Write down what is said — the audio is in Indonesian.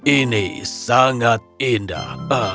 ini sangat indah